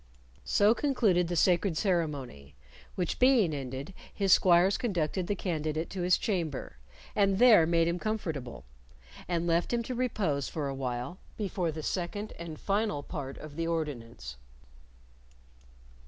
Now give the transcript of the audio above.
So concluded the sacred ceremony, which being ended his squires conducted the candidate to his chamber, and there made him comfortable, and left him to repose for a while before the second and final part of the ordinance.